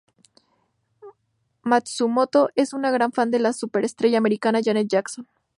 Matsumoto es un gran fan de la superestrella americana Janet Jackson.